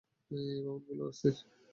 এই ভবনগুলো অস্থির।